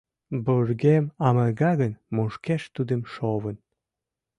Вургем амырга гын, мушкеш тудым шовын.